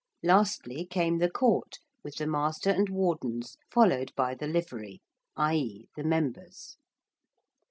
Lastly came the Court with the Master and Wardens followed by the Livery, i.e. the members.